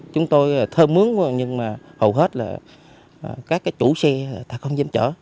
chúng tôi thơm mướn nhưng mà hầu hết là các cái chủ xe ta không dám chở